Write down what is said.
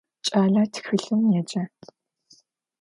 Кӏалэр тхылъым еджэ.